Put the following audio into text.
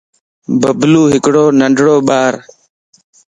ببلو ھڪڙو ننڍو ٻار